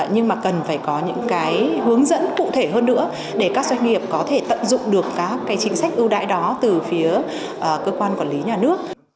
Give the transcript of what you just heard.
nhưng mà cần phải có những cái hướng dẫn cụ thể hơn nữa để các doanh nghiệp có thể tận dụng được các chính sách ưu đãi đó từ phía cơ quan quản lý nhà nước